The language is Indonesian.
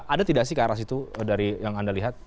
ada tidak sih ke arah situ dari yang anda lihat